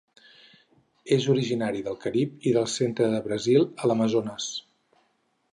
És originari del Carib i del centre de Brasil a l'Amazones.